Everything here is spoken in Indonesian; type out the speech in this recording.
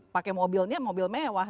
pakai mobilnya mobil mewah